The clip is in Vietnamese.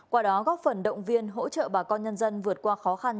qua đó góp phần động viên hỗ trợ bà con nhân dân vượt qua khó khăn